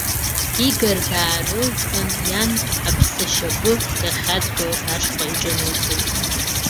Игор даарылҵын иан аԥса шьапы дахьадгылаз ашҟа иҿынеихеит.